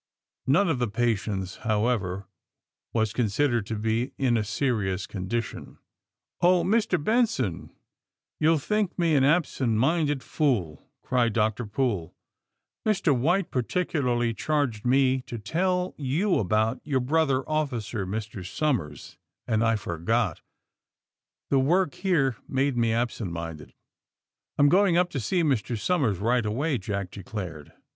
None of the patients, however, was con sidered to be in a serious condition. *^0h, Mr. Benson, you'll think me an absent minded fool," cried Dr. Poole. '^Mr. White particularly charged me to tell you about your AND THE SMUGGLEES 243 brother officer, Mr. Somers, and I forgot. The work here made me absent minded/' *^I am going up to see Mr. Somers right away,'' Jack declared.